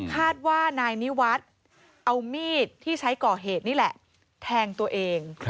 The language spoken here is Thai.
คาดว่านายนิวัฒน์เอามีดที่ใช้ก่อเหตุนี่แหละแทงตัวเอง